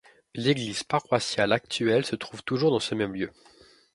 L'église paroissiale actuelle se trouve toujours dans ce même lieu.